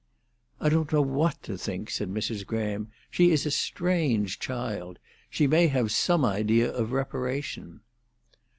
"I don't know what to think," said Mrs. Graham. "She is a strange child. She may have some idea of reparation."